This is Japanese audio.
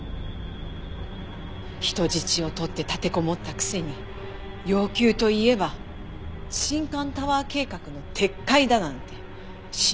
人質を取って立てこもったくせに要求といえば新館タワー計画の撤回だなんて信じられない。